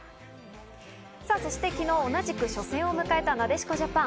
そして昨日、同じく初戦を迎えたなでしこジャパン。